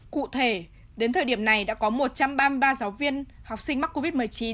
cụ thể đến thời điểm này đã có một trăm ba mươi ba giáo viên học sinh mắc covid một mươi chín